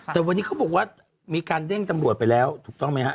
แต่วันนี้เขาบอกว่ามีการเด้งตำรวจไปแล้วถูกต้องไหมฮะ